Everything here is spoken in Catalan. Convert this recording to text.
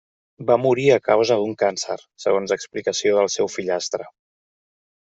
Va morir a causa d'un càncer, segons explicació del seu fillastre.